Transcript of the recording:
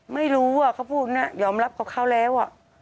ไม่รู้เขาพูดอย่างนั้นยอมรับกับเขาแล้ว